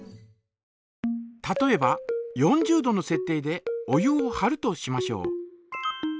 例えば４０度のせっ定でお湯をはるとしましょう。